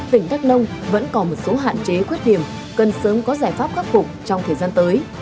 tỉnh đắk nông vẫn còn một số hạn chế khuyết điểm cần sớm có giải pháp khắc phục trong thời gian tới